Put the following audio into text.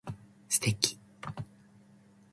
素敵